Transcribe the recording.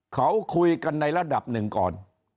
เขาคุยกันในระดับหนึ่งก่อน